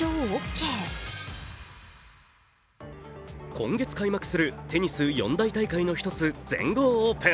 今月開幕するテニス四大大会の一つ全豪オープン。